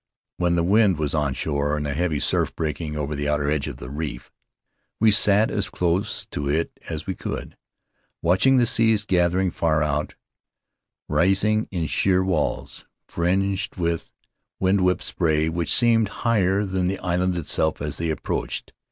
When the wind was onshore and a heavy surf breaking over the outer edge of the reef, we sat as close to it as we could, watching the seas gathering far out, rising in sheer walls fringed with In the Cloud of Islands wind whipped spray, which seemed higher than the island itself as they approached.